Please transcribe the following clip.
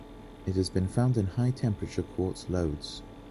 It has been found in high-temperature quartz lodes.